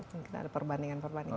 mungkin ada perbandingan perbandingan